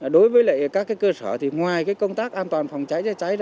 đối với các cơ sở ngoài công tác an toàn phòng cháy cháy cháy